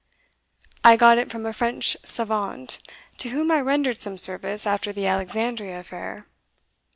I got it from a French savant, to whom I rendered some service after the Alexandria affair."